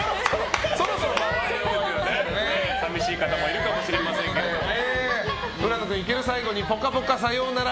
寂しい方もいるかもしれませんけどね。